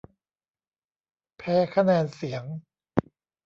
แพ้คะแนนเสียง